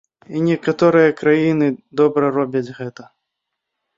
І некаторыя краіны добра робяць гэта.